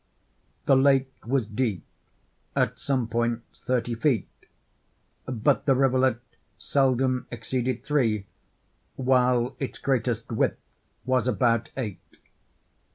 The lake was deep—at some points thirty feet—but the rivulet seldom exceeded three, while its greatest width was about eight.